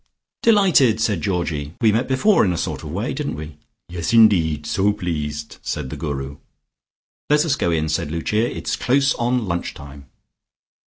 "Delighted!" said Georgie. "We met before in a sort of way, didn't we?" "Yes, indeed. So pleased," said the Guru. "Let us go in," said Lucia, "It is close on lunch time."